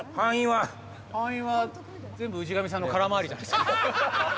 全部氏神さんの空回りじゃないですか。